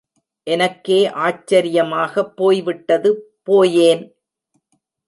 எனக்கே ஆச்சரியமாகப் போய் விட்டது, போயேன்!